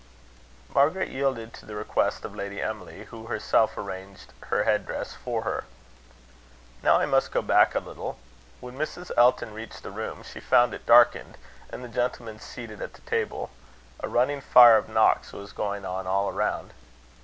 Margaret yielded to the request of Lady Emily, who herself arranged her head dress for her. Now I must go back a little. When Mrs. Elton reached the room, she found it darkened, and the gentlemen seated at the table. A running fire of knocks was going on all around.